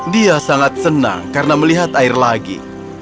dia sangat senang karena melihat air lagi